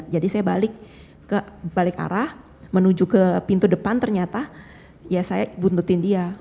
jadi saya balik arah menuju ke pintu depan ternyata ya saya buntutin dia